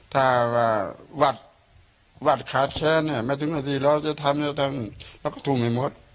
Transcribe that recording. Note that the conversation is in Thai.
ถ้าว่าวัดวัดแคลร์แข้นเนี่ยไม่ถึงอาทิตย์แล้วจะจะแล้วก็ถุ่มให้มด